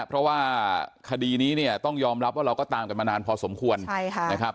เพราะว่าคดีนี้เนี่ยต้องยอมรับว่าเราก็ตามกันมานานพอสมควรนะครับ